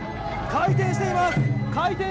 回転しています！